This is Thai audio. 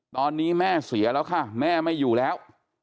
ตอนนี้แม่เสียแล้วค่ะแม่ไม่อยู่แล้ว